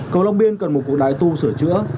cầu long biên cần một cụ đái tu sửa chữa